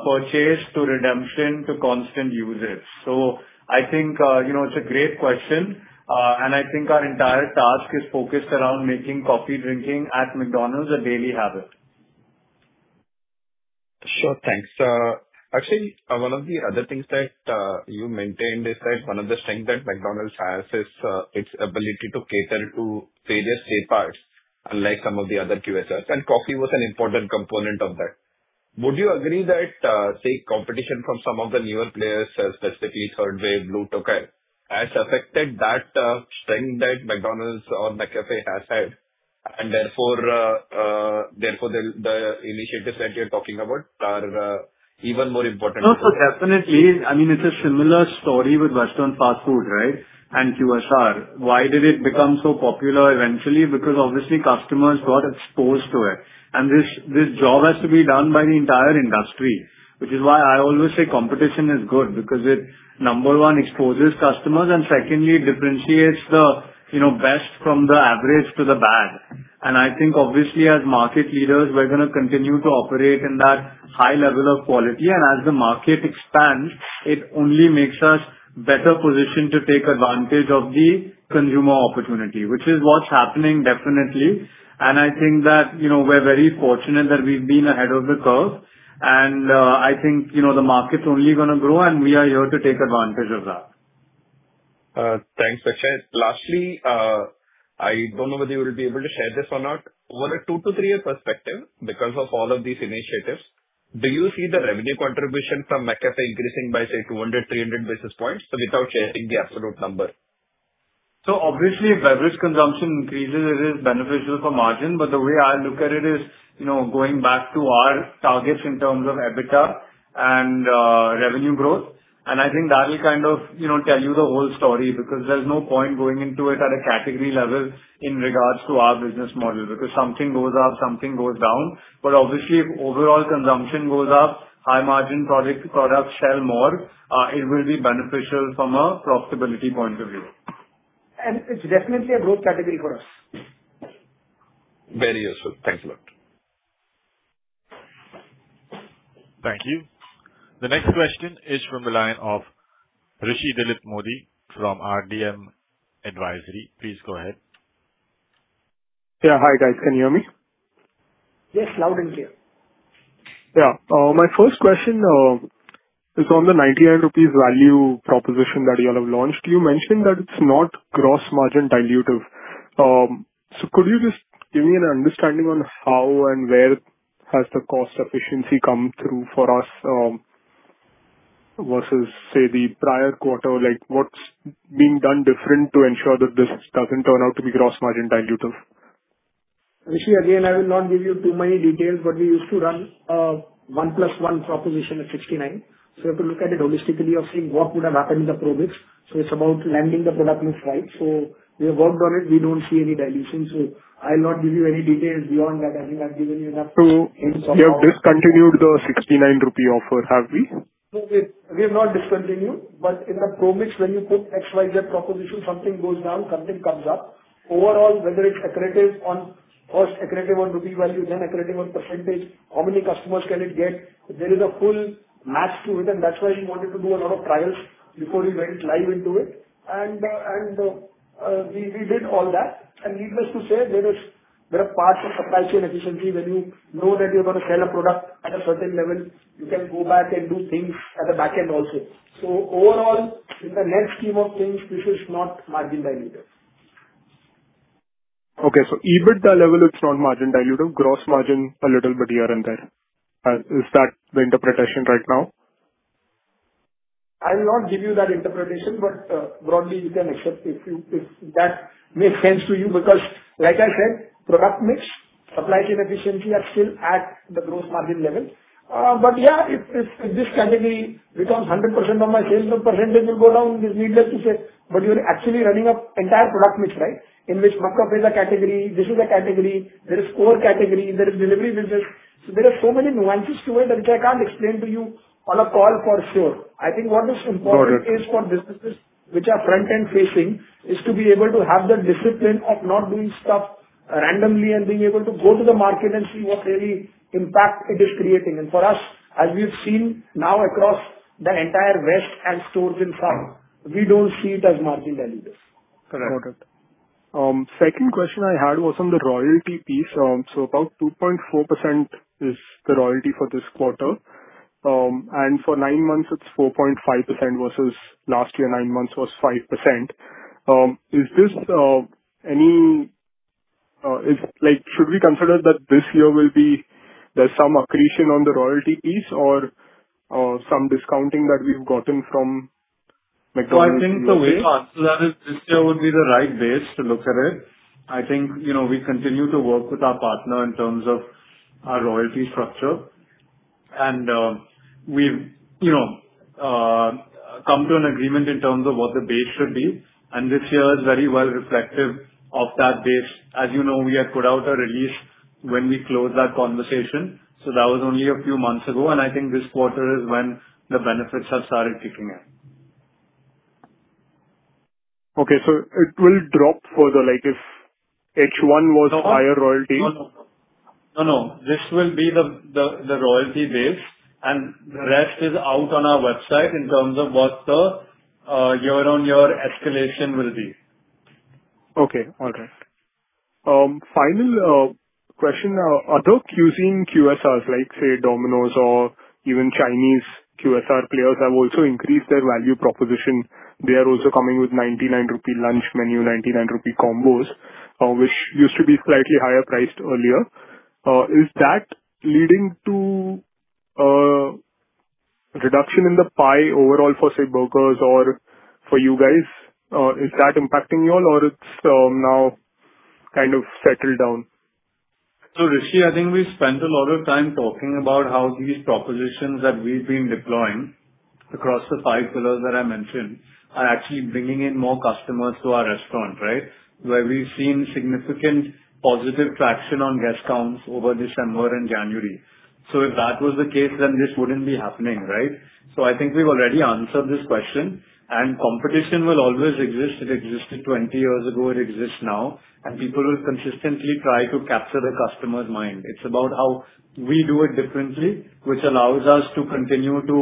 purchase to redemption to constant usage. So I think, you know, it's a great question. And I think our entire task is focused around making coffee drinking at McDonald's a daily habit. Sure. Thanks. Actually, one of the other things that you maintained is that one of the strength that McDonald's has is its ability to cater to various parts, unlike some of the other QSRs, and coffee was an important component of that. Would you agree that, say, competition from some of the newer players, specifically Third Wave, Blue Tokai, has affected that strength that McDonald's or McCafé has had, and therefore, the initiatives that you're talking about are even more important? No, so definitely. I mean, it's a similar story with western fast food, right, and QSR. Why did it become so popular eventually? Because obviously customers got exposed to it. And this, this job has to be done by the entire industry, which is why I always say competition is good, because it, number one, exposes customers, and secondly, it differentiates the, you know, best from the average to the bad. And I think obviously, as market leaders, we're gonna continue to operate in that high level of quality. And as the market expands, it only makes us better positioned to take advantage of the consumer opportunity, which is what's happening definitely. And I think that, you know, we're very fortunate that we've been ahead of the curve. And, I think, you know, the market's only gonna grow, and we are here to take advantage of that. Thanks, Akshay. Lastly, I don't know whether you will be able to share this or not. Over a 2- to 3-year perspective, because of all of these initiatives, do you see the revenue contribution from McCafé increasing by, say, 200-300 basis points, so without sharing the absolute number? So obviously, if beverage consumption increases, it is beneficial for margin. But the way I look at it is, you know, going back to our targets in terms of EBITDA and, revenue growth, and I think that will kind of, you know, tell you the whole story, because there's no point going into it at a category level in regards to our business model, because something goes up, something goes down. But obviously, if overall consumption goes up, high margin product, products sell more, it will be beneficial from a profitability point of view. It's definitely a growth category for us. Very useful. Thanks a lot. Thank you. The next question is from the line of Rishi Mody from RDM Advisory. Please go ahead. Yeah, hi, guys. Can you hear me? Yes, loud and clear. Yeah, my first question is on the 99 rupees value proposition that you all have launched. You mentioned that it's not gross margin dilutive. So could you just give me an understanding on how and where has the cost efficiency come through for us, versus, say, the prior quarter? Like, what's being done different to ensure that this doesn't turn out to be gross margin dilutive? Rishi, again, I will not give you too many details, but we used to run a 1 + 1 proposition at 69. So you have to look at it holistically of saying what would have happened in the product mix. So it's about landing the product mix right. So we have worked on it, we don't see any dilution. So I'll not give you any details beyond that. I think I've given you enough to- You have discontinued the 69 rupee offer, have we? No, we have not discontinued. But in the product mix, when you put XYZ proposition, something goes down, something comes up. Overall, whether it's accretive on, first accretive on rupee value, then accretive on percentage, how many customers can it get? There is a full match to it, and that's why we wanted to do a lot of trials before we went live into it. And we did all that. Needless to say, there are parts of supply chain efficiency, when you know that you're gonna sell a product at a certain level, you can go back and do things at the back end also. So overall, in the net scheme of things, this is not margin dilutive. Okay, so EBITDA level, it's not margin dilutive, gross margin a little bit here and there. Is that the interpretation right now? I will not give you that interpretation, but, broadly, you can accept if you, if that makes sense to you. Because like I said, product mix, supply chain efficiency are still at the gross margin level. But yeah, if this, if this category becomes 100% of my sales, so percentage will go down, it's needless to say. But you're actually running a entire product mix, right? In which McCafé is a category, this is a category, there is core category, there is delivery business. So there are so many nuances to it that which I can't explain to you on a call for sure. I think what is important- Got it. is for businesses which are front-end facing, is to be able to have the discipline of not doing stuff randomly, and being able to go to the market and see what really impact it is creating. And for us, as we've seen now across the entire West and stores in South, we don't see it as margin dilutive. Correct. Got it. Second question I had was on the royalty piece. So about 2.4% is the royalty for this quarter. And for nine months it's 4.5%, versus last year, nine months was 5%. Is, like, should we consider that this year will be there's some accretion on the royalty piece or, or some discounting that we've gotten from McDonald's? So I think the way to answer that is this year would be the right base to look at it. I think, you know, we continue to work with our partner in terms of our royalty structure. And, we've, you know, come to an agreement in terms of what the base should be, and this year is very well reflective of that base. As you know, we had put out a release when we closed that conversation, so that was only a few months ago, and I think this quarter is when the benefits have started kicking in. Okay, so it will drop further, like if H1 was No. -higher royalty? No, no. No, no, this will be the royalty base, and the rest is out on our website in terms of what the year-on-year escalation will be. Okay, all right. Final question. Although using QSRs, like, say, Domino's or even Chinese QSR players, have also increased their value proposition, they are also coming with 99 rupee lunch menu, 99 rupee combos, which used to be slightly higher priced earlier. Is that leading to reduction in the pie overall for, say, burgers or for you guys? Is that impacting you all or it's now kind of settled down? So Rishi, I think we've spent a lot of time talking about how these propositions that we've been deploying across the five pillars that I mentioned, are actually bringing in more customers to our restaurant, right? Where we've seen significant positive traction on guest counts over December and January. So if that was the case, then this wouldn't be happening, right? So I think we've already answered this question, and competition will always exist. It existed 20 years ago, it exists now, and people will consistently try to capture the customer's mind. It's about how we do it differently, which allows us to continue to,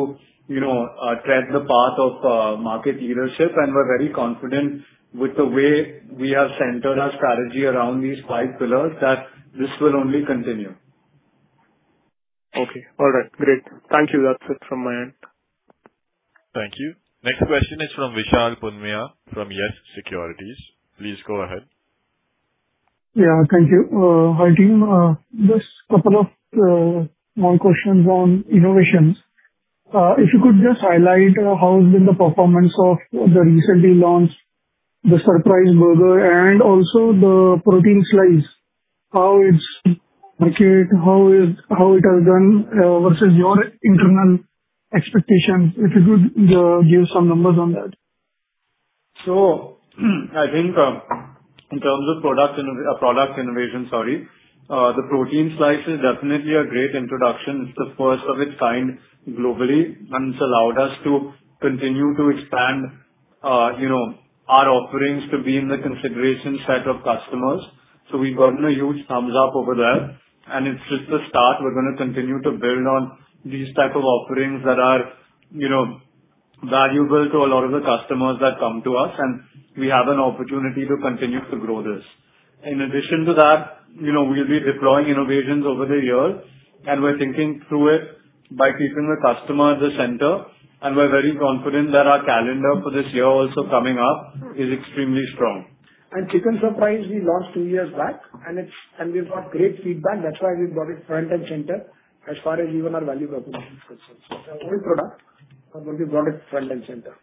you know, tread the path of market leadership. And we're very confident with the way we have centered our strategy around these five pillars, that this will only continue. Okay. All right. Great. Thank you. That's it from my end. Thank you. Next question is from Vishal Punmiya, from Yes Securities. Please go ahead. Yeah, thank you. Hi, team. Just couple of more questions on innovations. If you could just highlight how has been the performance of the recently launched Surprise Burger and also the Protein Slice? How is it, how it has done versus your internal expectations? If you could give some numbers on that. So, I think, in terms of product innovation, the protein slice is definitely a great introduction. It's the first of its kind globally, and it's allowed us to continue to expand, you know, our offerings to be in the consideration set of customers. So we've gotten a huge thumbs up over there, and it's just the start. We're gonna continue to build on these type of offerings that are, you know, valuable to a lot of the customers that come to us, and we have an opportunity to continue to grow this. In addition to that, you know, we'll be deploying innovations over the years, and we're thinking through it by keeping the customer at the center, and we're very confident that our calendar for this year also coming up, is extremely strong. Chicken Surprise we launched two years back, and it's, and we've got great feedback. That's why we've got it front and center as far as even our value proposition is concerned. So old product, but we've got it front and center.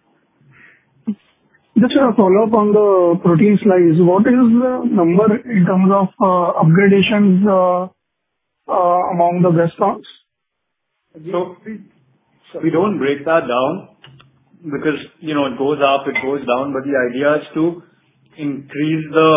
Just a follow-up on the protein slice. What is the number in terms of upgradations among the restaurants? So we don't break that down because, you know, it goes up, it goes down. But the idea is to increase the,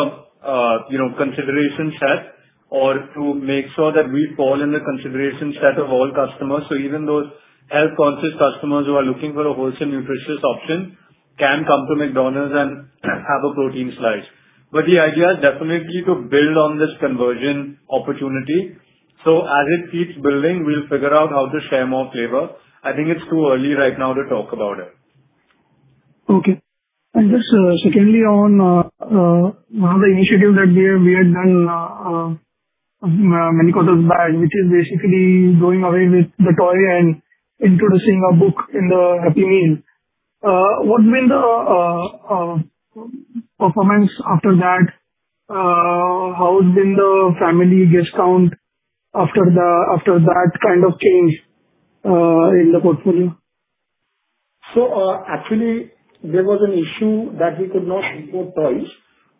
you know, consideration set or to make sure that we fall in the consideration set of all customers. So even those health-conscious customers who are looking for a wholesome, nutritious option can come to McDonald's and have a protein slice. But the idea is definitely to build on this conversion opportunity. So as it keeps building, we'll figure out how to share more flavor. I think it's too early right now to talk about it. Okay. And just, secondly, on one of the initiatives that we had done many quarters back, which is basically doing away with the toy and introducing a book in the Happy Meal. What was the performance after that? How has been the family guest count after that kind of change in the portfolio? So, actually, there was an issue that we could not import toys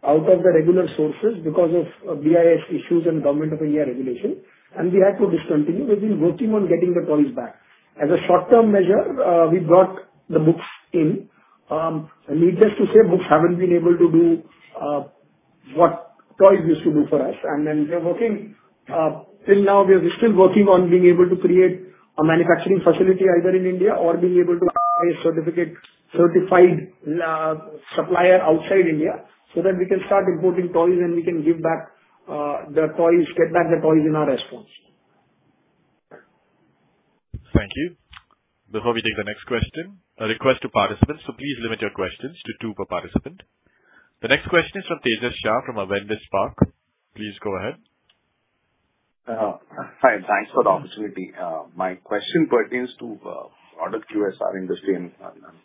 out of the regular sources because of BIS issues and Government of India regulation, and we had to discontinue. We've been working on getting the toys back. As a short-term measure, we brought the books in. And needless to say, books haven't been able to do what toys used to do for us. And then we're working; till now, we are still working on being able to create a manufacturing facility either in India or being able to a certified supplier outside India, so that we can start importing toys and we can give back the toys, get back the toys in our restaurants. Thank you. Before we take the next question, a request to participants, so please limit your questions to two per participant. The next question is from Tejas Shah, from Avendus Spark. Please go ahead. Hi, thanks for the opportunity. My question pertains to product QSR industry and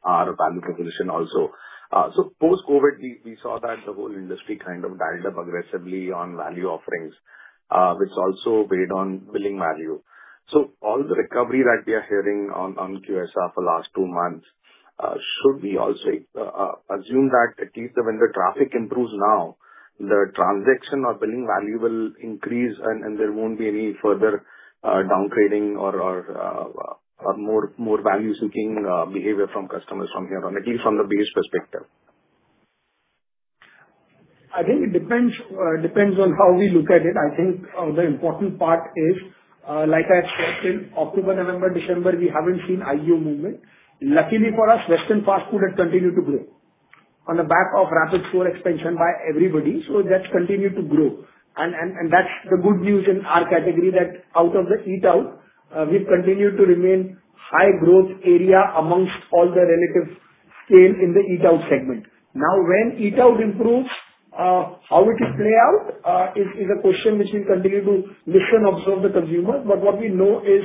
our value proposition also. So post-COVID, we saw that the whole industry kind of dialed up aggressively on value offerings, which also weighed on billing value. So all the recovery that we are hearing on QSR for last two months, should we also assume that at least when the traffic improves now, the transaction or billing value will increase and there won't be any further downgrading or more values looking behavior from customers from here on, at least from the base perspective? I think it depends, depends on how we look at it. I think, the important part is, like I said, in October, November, December, we haven't seen IEO movement. Luckily for us, western fast food had continued to grow on the back of rapid store expansion by everybody, so that's continued to grow. And, and, and that's the good news in our category, that out of the eat out, we've continued to remain high growth area amongst all the relative scale in the eat out segment. Now, when eat out improves, how it will play out, is, is a question which we continue to listen, observe the consumer. But what we know is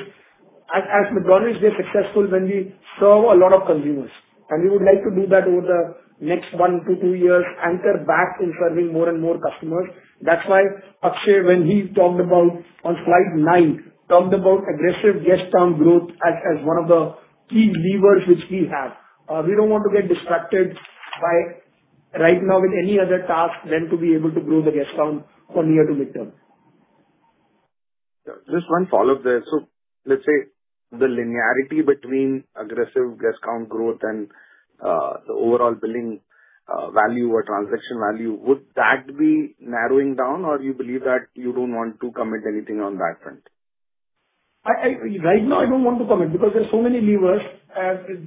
as McDonald's, we are successful when we serve a lot of consumers, and we would like to do that over the next 1-2 years, anchor back in serving more and more customers. That's why Akshay, when he talked about on slide 9, talked about aggressive guest count growth as, as one of the key levers which we have. We don't want to get distracted by right now with any other task than to be able to grow the guest count for near to midterm. Yeah, just one follow-up there. So let's say the linearity between aggressive guest count growth and the overall billing value or transaction value would that be narrowing down? Or you believe that you don't want to commit anything on that front? Right now, I don't want to commit, because there are so many levers.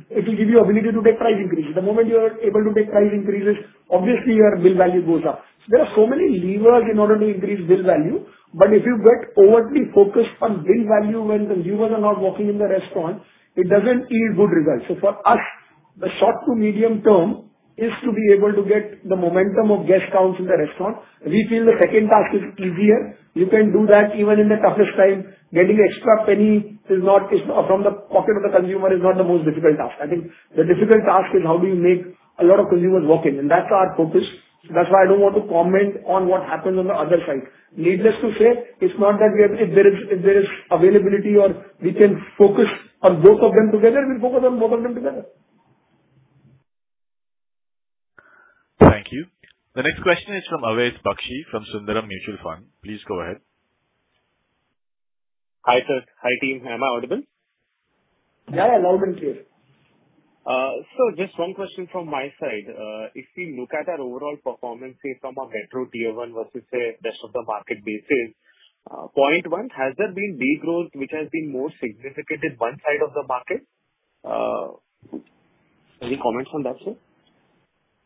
It will give you ability to take price increase. The moment you are able to take price increases, obviously your bill value goes up. There are so many levers in order to increase bill value, but if you get overly focused on bill value when the levers are not working in the restaurant, it doesn't yield good results. So for us, the short to medium term is to be able to get the momentum of guest counts in the restaurant. We feel the second task is easier. You can do that even in the toughest time. Getting extra penny is not from the pocket of the consumer, is not the most difficult task. I think the difficult task is: how do you make a lot of consumers walk in? That's our focus. So that's why I don't want to comment on what happens on the other side. Needless to say, it's not that we are. If there is availability or we can focus on both of them together, we'll focus on both of them together. Thank you. The next question is from Avesh Bakshi, from Sundaram Mutual Fund. Please go ahead. Hi, sir. Hi, team. Am I audible? Yeah, yeah, loud and clear. Just one question from my side. If we look at our overall performance, say, from a metro Tier 1 versus, say, rest of the market basis, point 1, has there been big growth which has been more significant in one side of the market? Any comments on that, sir?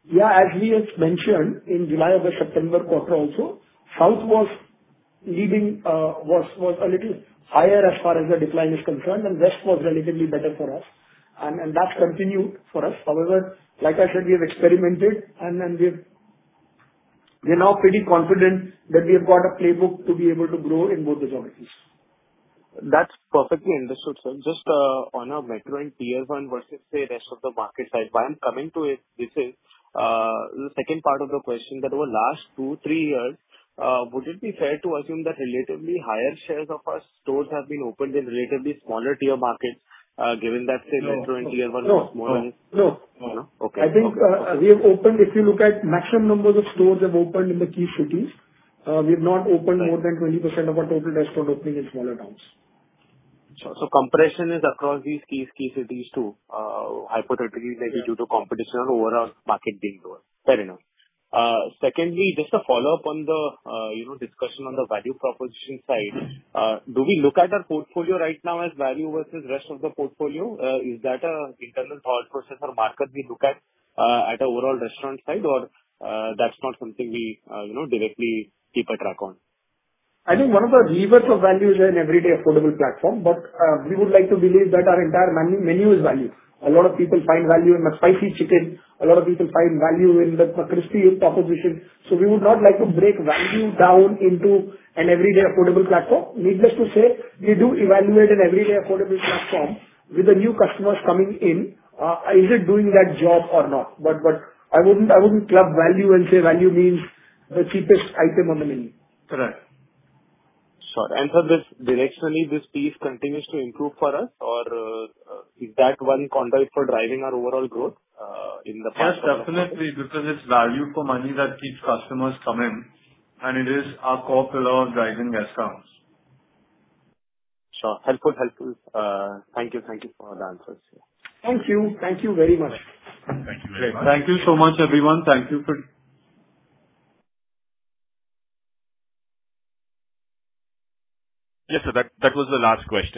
Yeah, as we have mentioned, in July-September quarter also, South was leading, was a little higher as far as the decline is concerned, and West was relatively better for us, and that's continued for us. However, like I said, we have experimented and we're now pretty confident that we have got a playbook to be able to grow in both the geographies. That's perfectly understood, sir. Just, on a metro and tier one versus, say, rest of the market side, why I'm coming to it, this is, the second part of the question, that over last two, three years, would it be fair to assume that relatively higher shares of our stores have been opened in relatively smaller tier markets, given that, say, metro and tier one was more- No, no. No? Okay. I think, we have opened, if you look at maximum numbers of stores have opened in the key cities. We have not opened more than 20% of our total restaurant opening in smaller towns. So, compression is across these key cities too, hypothetically maybe- Yeah due to competition or overall market being lower. Fair enough. Secondly, just a follow-up on the, you know, discussion on the value proposition side. Mm-hmm. Do we look at our portfolio right now as value versus rest of the portfolio? Is that an internal thought process or market we look at, at overall restaurant side, or that's not something we, you know, directly keep a track on? I think one of the levers of value is an everyday affordable platform, but we would like to believe that our entire menu, menu is value. A lot of people find value in the spicy chicken. A lot of people find value in the crispy proposition. So we would not like to break value down into an everyday affordable platform. Needless to say, we do evaluate an everyday affordable platform with the new customers coming in, is it doing that job or not? But, but I wouldn't, I wouldn't club value and say value means the cheapest item on the menu. Correct. Sure. And so this, directionally, this piece continues to improve for us, or, is that one conduit for driving our overall growth, in the- Yes, definitely, because it's value for money that keeps customers coming, and it is our core pillar of driving guest counts. Sure. Helpful, helpful. Thank you. Thank you for the answers. Thank you. Thank you very much. Thank you very much. Thank you so much, everyone. Thank you, good- Yes, sir, that was the last question.